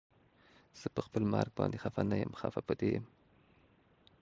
زه پخپل مرګ باندې خفه نه یم خفه په دې یم